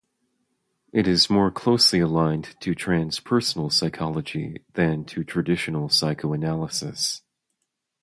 It is more closely aligned to transpersonal psychology than to traditional psychoanalysis.